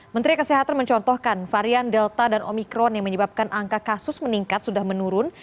menteri kesehatan mencontohkan varian delta dan omikron yang menyebabkan angka kasus meningkat sudah menurun